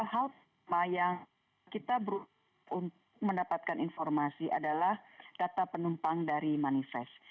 hal pertama yang kita berutuh untuk mendapatkan informasi adalah data penumpang dari manifest